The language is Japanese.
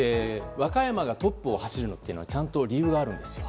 和歌山がトップを走るのにはちゃんと理由があるんです。